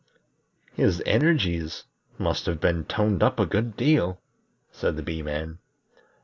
"His energies must have been toned up a good deal," said the Bee man.